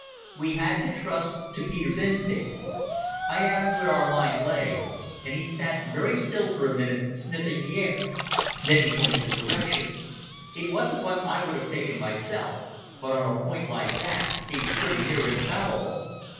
We had to trust to Peter's instinct. I asked him where our line lay, and he sat very still for a minute sniffing the air. Then he pointed the direction. It wasn't what I would have taken myself, but on a point like that he was pretty near infallible.